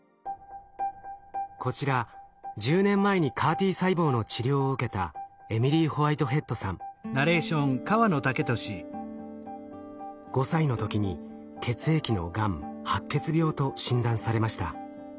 こちら１０年前にＣＡＲ−Ｔ細胞の治療を受けた５歳のときに血液のがん白血病と診断されました。